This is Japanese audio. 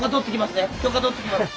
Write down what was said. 許可取ってきますね